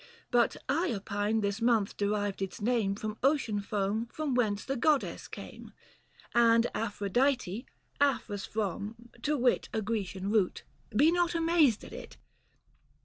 But I opine this month derived its name From ocean foam from whence the goddess came, And Aphrodite, Aphros from — to wit A Grecian root, be not amazed at it.